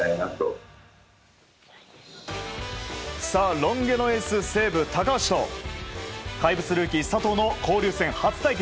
ロン毛のエース西武、高橋と怪物ルーキー佐藤の交流戦初対決。